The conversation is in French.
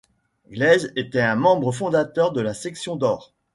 Gleizes était un membre fondateur de la Section d'Or.